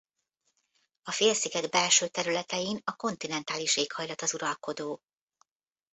A félsziget belső területein a kontinentális éghajlat az uralkodó.